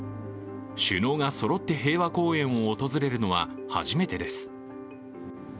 首脳がそろって平和公園を訪れるのは初めてです。